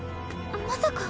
まさか。